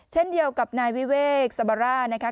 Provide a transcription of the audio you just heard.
เช่นเดียวกับนายวิเวกสมรานะครับ